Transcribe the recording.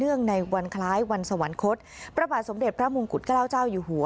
เนื่องในวันคล้ายวันสวรรคศและพระบาทสมเด็จพระมุงกุฎกะเลาเจ้าอยู่หัว